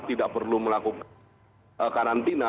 tidak perlu melakukan karantina